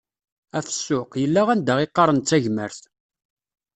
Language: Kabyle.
Ɣef ssuq, yella anda iqqaren d tagmert.